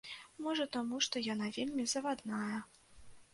Можа, таму, што яна вельмі завадная.